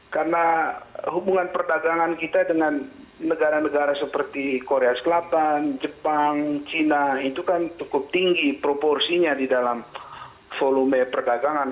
karena hubungan perdagangan kita dengan negara negara seperti korea selatan jepang china itu kan cukup tinggi proporsinya di dalam volume perdagangan